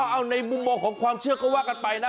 เอาในมุมมองของความเชื่อก็ว่ากันไปนะ